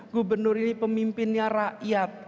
gubernur ini pemimpinnya rakyat